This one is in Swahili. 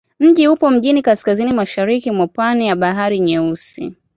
Mji upo mjini kaskazini-mashariki mwa pwani ya Bahari Nyeusi.